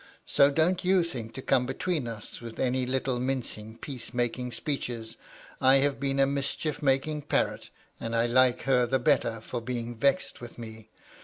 So don't you think to come between us wiA any little mincing, peace making speeches. I hare been a mischief making parrot, and I like her the bettor for being vexed with me.